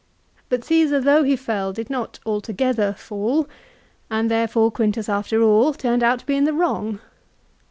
But Caesar though he fell, did not altogether fall, and therefore Quintus after all turned out to be in the wrong.